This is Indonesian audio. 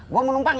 gua mau numpang ya